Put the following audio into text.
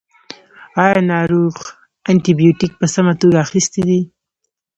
ایا ناروغ انټي بیوټیک په سمه توګه اخیستی دی.